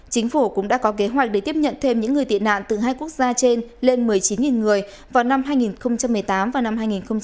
chính phủ cũng đã có kế hoạch để tiếp nhận thêm những người tị nạn từ hai quốc gia trên lên một mươi chín người vào năm hai nghìn một mươi tám và năm hai nghìn hai mươi